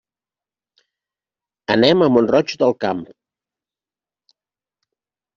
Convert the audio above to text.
Anem a Mont-roig del Camp.